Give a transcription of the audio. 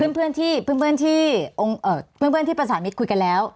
เพื่อนที่ประสานมิตรคุยกันแล้ว